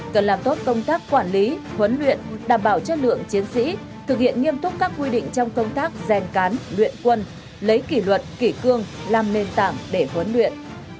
cần làm tốt công tác quản lý huấn luyện đảm bảo chất lượng chiến sĩ thực hiện nghiêm túc các quy định trong công tác rèn cán luyện quân lấy kỷ luật kỷ cương làm nền tảng để huấn luyện